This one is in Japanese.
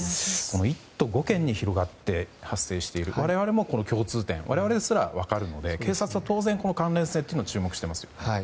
１都５県に広がって発生している我々ですら共通点が分かるので警察は当然、この関連性に注目していますよね。